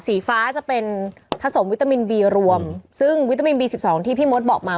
สีฟ้าจะเป็นผสมวิตามินบีรวมซึ่งวิตามินบีสิบสองที่พี่มดบอกมา